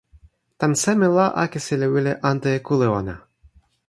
tan seme la akesi li wile ante e kule ona?